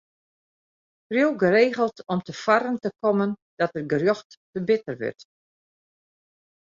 Priuw geregeld om te foaren te kommen dat it gerjocht te bitter wurdt.